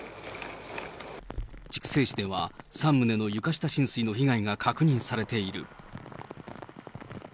筑西市では、３棟の床下浸水の被害が確認されている。